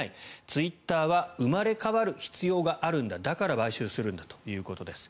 ツイッターは生まれ変わる必要があるんだだから買収するんだということです。